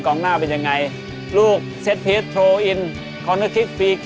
สวัสดีครับ